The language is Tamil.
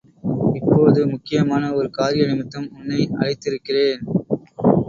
இப்போது முக்கியமான ஒரு காரிய நிமித்தம் உன்னை அழைத்திருக்கிறேன்.